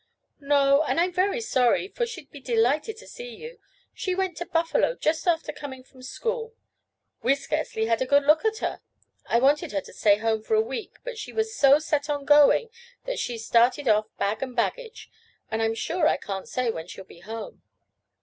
"No, and I'm very sorry, for she'd be delighted to see you. She went to Buffalo just after coming from school. We scarcely had a good look at her. I wanted her to stay home for a week, but she was so set on going that she started off bag and baggage, and I'm sure I can't say when she will be home.